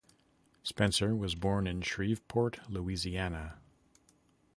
Spencer was born in Shreveport, Louisiana.